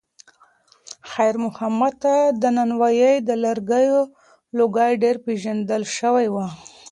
خیر محمد ته د نانوایۍ د لرګیو لوګی ډېر پیژندل شوی و.